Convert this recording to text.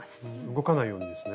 動かないようにですね。